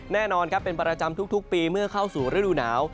แน่นอนครับเป็นประจำทุกปีเมื่อเข้าสู่ฤดูหนาว